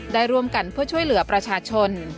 ได้ร่วมกันเพื่อช่วยเหลือประชาชน